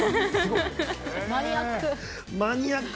マニアック。